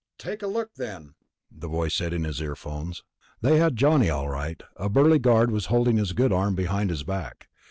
"Take a look, then," the voice said in his earphones. They had Johnny, all right. A burly guard was holding his good arm behind his back.